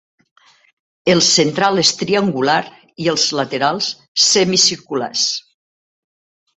El central és triangular i els laterals semicirculars.